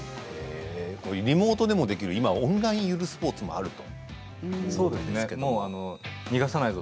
リモートでもできる今、オンラインゆるスポーツもあると。